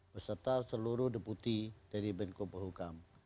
beserta seluruh deputi dari menko polhukam